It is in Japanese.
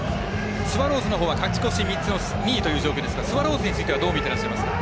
スワローズは勝ち越し３つの２位という状況ですがスワローズについてはどうですか？